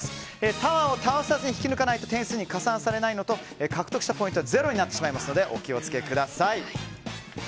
タワーを倒さずに引き抜かないと点数に加算されないのと獲得したポイントがゼロになってしまいますのでお気を付けください。